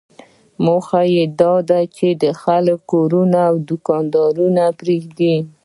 موخه یې داده چې دا خلک کورونه او دوکانونه پرېږدي.